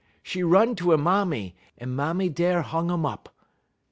'E run to 'e mammy; 'e mammy der hung um up.